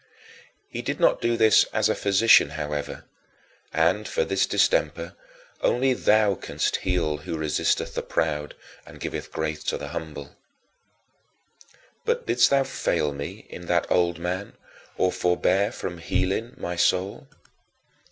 He did not do this as a physician, however; and for this distemper "only thou canst heal who resisteth the proud and giveth grace to the humble." But didst thou fail me in that old man, or forbear from healing my soul?